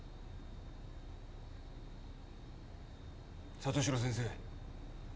里城先生